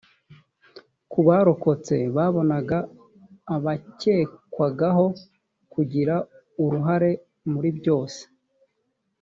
ku barokotse babonaga abakekwagaho kugira uruhare muri byose